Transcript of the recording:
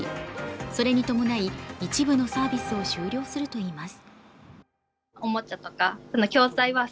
それに伴い、一部のサービスを終了するといいます。